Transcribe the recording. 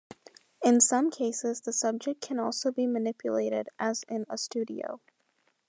In some cases the subject can also be manipulated, as in a studio.